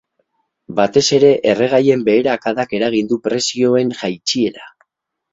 Batez ere erregaien beherakadak eragin du prezioen jaitsiera.